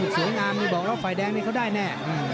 สวยงามนี่บอกแล้วฝ่ายแดงนี่เขาได้แน่